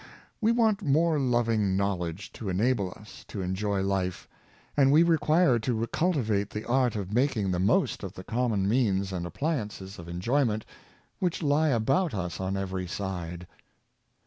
We want more loving knowledge to enable us to en joy life, and we require to cultivate the art of making the most of the common means and appliances of enjoy ment which lie about us on every side.